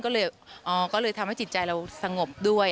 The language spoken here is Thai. ก็เลยทำให้จิตใจเราสงบด้วย